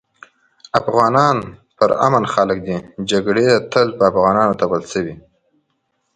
افغانان پر امن خلک دي جګړي تل په افغانانو تپل شوي